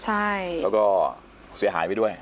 ใช่แล้วก็เสียหายไปด้วย